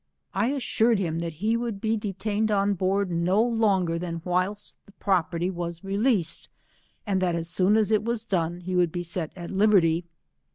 I assured hira that he would be detained on board no longer tlian whilst the proper l9o ty was released, ancl that as soon as it was done he would be set at liberty.